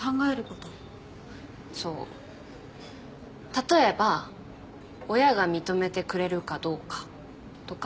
例えば親が認めてくれるかどうかとか？